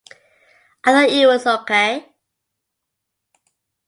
I thought it was okay.